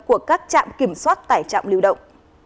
của các trạm kiểm soát tải trọng lưu động